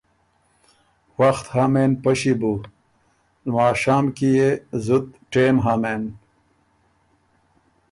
”وخت هۀ مېن پݭی بُو، لماشام کی يې زُت ټېم هۀ مېن“